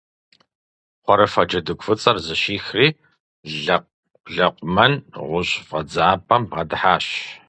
Хъурыфэ джэдыгу фӀыцӀэр зыщихри Лэкъумэн гъущӀ фӀэдзапӀэм бгъэдыхьащ.